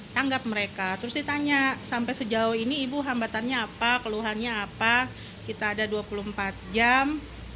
tanggap mereka terus ditanya sampai sejauh ini ibu hambatannya apa keluhannya apa kita ada dua puluh empat jam